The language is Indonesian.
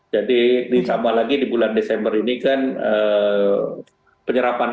jadi sama lagi di bulan desember ini kan penyerapan